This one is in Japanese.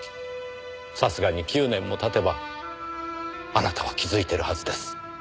さすがに９年も経てばあなたは気づいてるはずです。